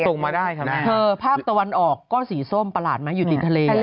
เธอภาพตะวันออกก็สีส้มปลาหลาดไหมอยู่ดีในทะเล